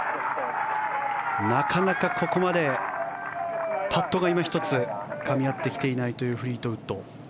なかなかここまでパットがいま一つかみ合ってきていないというフリートウッド。